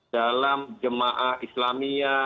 dalam jemaah islamia